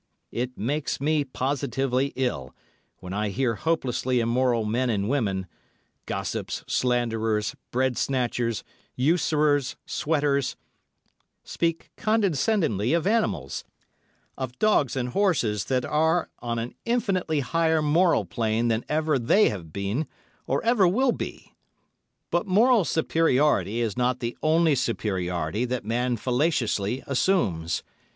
It makes me positively ill, when I hear hopelessly immoral men and women—gossips, slanderers, breadsnatchers, usurers, sweaters—speak condescendingly of animals—of dogs and horses that are on an infinitely higher moral plane than ever they have been, or ever will be. But moral superiority is not the only superiority that man fallaciously assumes.